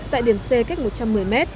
tại điểm c cách một trăm một mươi m